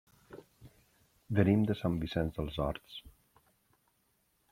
Venim de Sant Vicenç dels Horts.